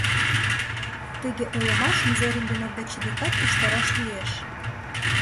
Тыге ойлымашым Зорин ден Овдачи декат уштараш лиеш.